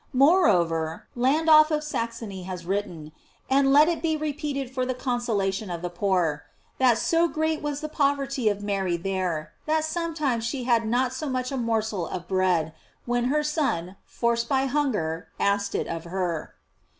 * Moreover, Landolph of Saxony has written, and let it be repeated for the consolation of the poor, that so great was the poverty of Mary there, that sometimes she had not so much as a morsel of bread, when her Son, forced by hunger, asked it of her.